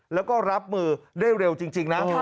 แล้วก็รับมือได้เร็วจริงนะ